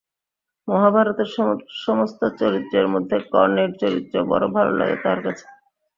মহাভারতের সমস্ত চরিত্রের মধ্যে কর্ণের চরিত্র বড় ভালো লাগে তাহার কাছে।